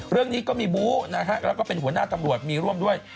เรื่องนี้ก็มีบู๊นะฮะแล้วก็เป็นหัวหน้าตำรวจมีร่วมด้วย